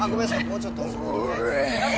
もうちょっと遅く。